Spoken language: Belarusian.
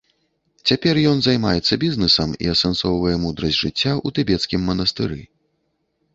Цяпер ён займаецца бізнэсам і асэнсоўвае мудрасць жыцця ў тыбецкім манастыры.